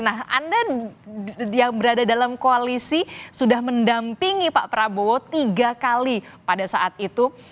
nah anda yang berada dalam koalisi sudah mendampingi pak prabowo tiga kali pada saat itu